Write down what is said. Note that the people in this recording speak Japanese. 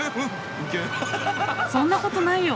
そんなことないよ。